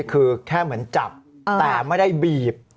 คือแค่เหมือนจับแต่ไม่ได้บีบ